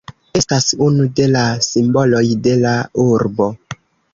Estas unu de la simboloj de la urbo.